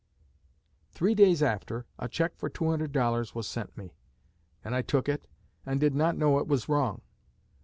Three days after, a check for $200 was sent me, and I took it, and did not know it was wrong.